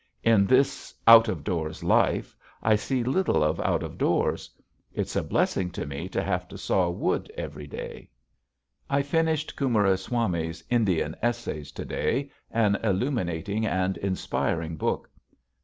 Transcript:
In this "out of doors life" I see little of out of doors. It's a blessing to me to have to saw wood every day. [Illustration: "GO TO BED"] I finished Coomeraswamy's "Indian Essays" to day, an illuminating and inspiring book.